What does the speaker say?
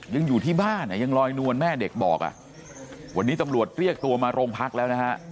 ยังอยู่ที่บ้านอ่ะยังลอยนวลแม่เด็กบอกอ่ะวันนี้ตำรวจเรียกตัวมาโรงพักแล้วนะฮะ